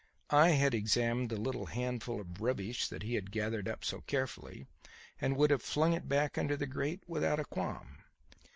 I had examined the little handful of rubbish that he had gathered up so carefully, and would have flung it back under the grate without a qualm.